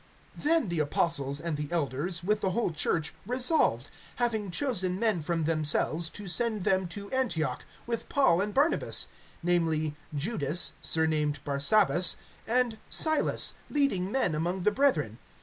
(22)Then the apostles and the elders, with the whole church, resolved, having chosen men from themselves, to send them to Antioch with Paul and Barnabas; namely, Judas surnamed Barsabas, and Silas, leading men among the brethren.